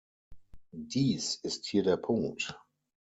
Dies ist hier der Punkt.